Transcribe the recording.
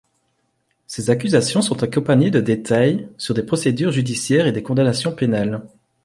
Ces accusations sont accompagnées de détails sur des procédures judiciaires et des condamnations pénales.